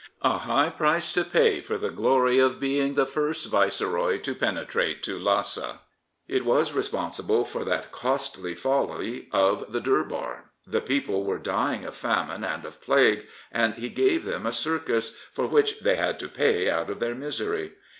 A high price to pay for the glory of being the first Viceroy to penetrate to Lhassa. It was re sponsible for that costly folly of the Durbar. The people were d5dng of famine and of plague, and he gave them a circus, for which they had to pay out of their misery.